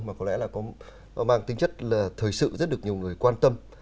mà có lẽ là có mang tính chất là thời sự rất được nhiều người quan tâm